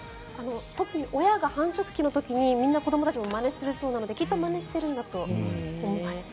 特に親が繁殖期の時に子どもたちはまねしているらしいのできっとまねしているんだと思います。